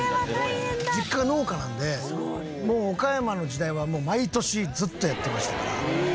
実家農家なんでもう岡山の時代は毎年ずっとやってましたから。